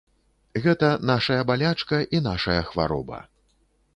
Гэта нашая балячка і нашая хвароба.